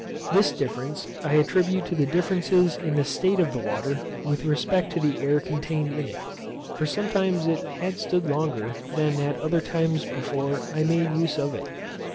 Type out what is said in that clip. This difference I attribute to the differences in the state of the water with respect to the air contained in it; for sometimes it had stood longer than at other times before I made use of it.